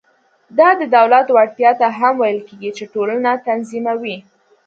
دا د دولت وړتیا ته هم ویل کېږي چې ټولنه تنظیموي.